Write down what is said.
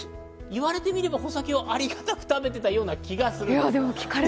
言われてみれば穂先をありがたく食べていた気がします。